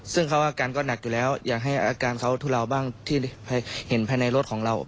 ซึ่งเขาอาการก็หนักอยู่แล้วอยากให้อาการเขาทุเลาบ้างที่เห็นภายในรถของเรา